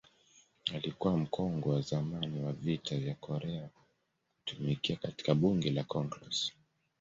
Alikuwa mkongwe wa zamani wa Vita vya Korea kutumikia katika Bunge la Congress.